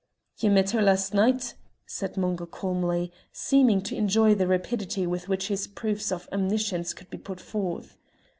"Ye met her last night," said Mungo, calmly, seeming to enjoy the rapidity with which his proofs of omniscience could be put forth.